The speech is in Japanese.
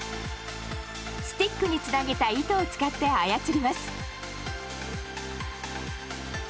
スティックにつなげた糸を使って操ります。